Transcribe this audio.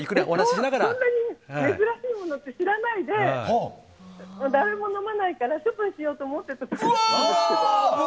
そんなに珍しいものと知らないで誰も飲まないから処分しようと思っていたところです。